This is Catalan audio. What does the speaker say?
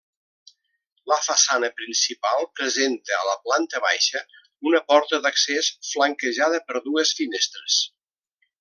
La façana principal presenta, a la planta baixa, una porta d'accés flanquejada per dues finestres.